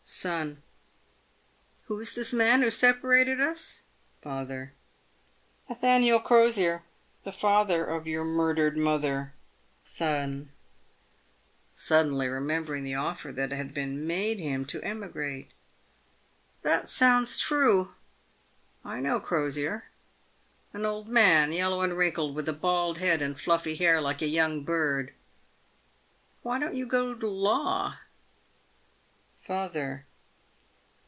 Son. Who is this man who separated us ? Father. Nathaniel Crosier, the father of your murdered mother. Son (suddenly remembering the offer that had been made him to emigrate). That sounds true. I know Crosier — an old man, yellow and wrinkled, with a bald head and fluffy hair like a young bird. Why don't you go to law ? Father.